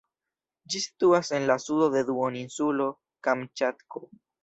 Ĝi situas en la sudo de duoninsulo Kamĉatko.